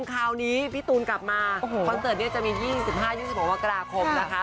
คราวนี้พี่ตูนกลับมาคอนเสิร์ตนี้จะมี๒๕๒๖มกราคมนะคะ